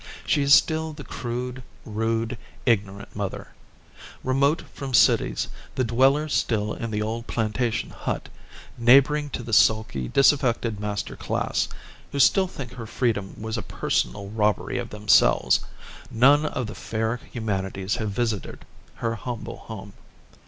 She is still the crude, rude, ignorant mother. Remote from cities, the dweller still in the old plantation hut, neighboring to the sulky, disaffected master class, who still think her freedom was a personal robbery of themselves, none of the "fair humanities" have visited her humble home.